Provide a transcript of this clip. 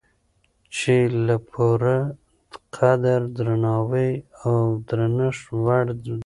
چې د پوره قدر، درناوي او درنښت وړ دی